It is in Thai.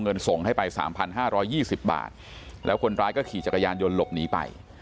ส่งให้ไป๓๕๒๐บาทแล้วคนร้ายก็ขี่จักรยานยนต์หลบหนีไป